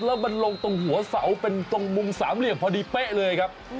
แล้วมันลงตรงหัวเสาเป็นตรงมุมสามเหลี่ยมพอดีเป๊ะเลยครับ